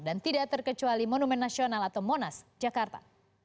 tidak terkecuali monumen nasional atau monas jakarta